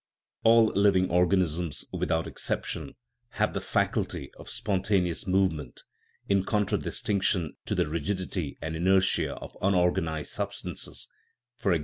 All living organisms without exception have the faculty of spontaneous movement, in contradistinction to the rigidity and inertia of unorganized substances (e.g.